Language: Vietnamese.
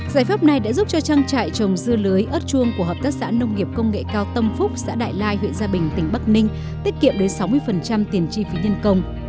giải pháp này đã giúp cho trang trại trồng dưa lưới ớt chuông của hợp tác xã nông nghiệp công nghệ cao tâm phúc xã đại lai huyện gia bình tỉnh bắc ninh tiết kiệm đến sáu mươi tiền chi phí nhân công